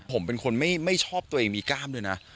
ผมเป็นคนไม่ชอบตัวเองมีกล้ามด้วยนะ